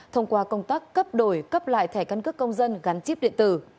thông qua công tác cấp đổi cấp lại thẻ căn cước công dân gắn chip điện tử